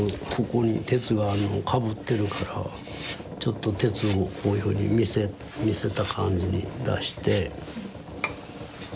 ここに鉄がかぶってるからちょっと鉄をこういうふうに見せた感じに出して。